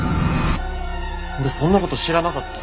俺そんなこと知らなかった。